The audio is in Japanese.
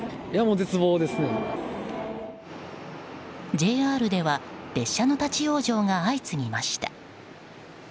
ＪＲでは列車の立ち往生が相次ぎました。